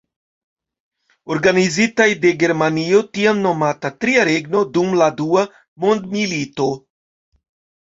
Organizitaj de Germanio tiam nomata Tria Regno dum la Dua Mondmilito.